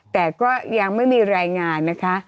แต่ก็ยังไม่มีรายงานนะคะ